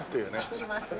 効きますね。